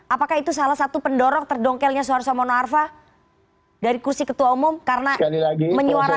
apakah itu salah satu pendorong terdongkelnya suarso mono arfa dari kursi ketua umum karena menyuarakan ada nama anies baswedan